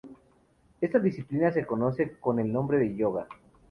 Esta disciplina se conoce con el nombre de yoga.